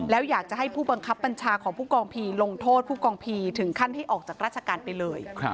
แล้วอยากจะให้ผู้บังคับบัญชาของผู้กองพีลงโทษผู้กองพีถึงขั้นให้ออกจากราชการไปเลย